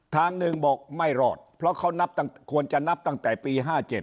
ทางหนึ่งบอกไม่รอดเพราะเขานับควรจะนับตั้งแต่ปี๕๗